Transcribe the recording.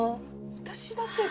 私だけが。